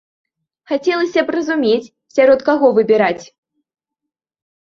Хацелася б разумець, сярод каго выбіраць.